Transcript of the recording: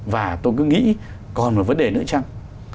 và tôi cứ nghĩ còn một vấn đề nữa chăng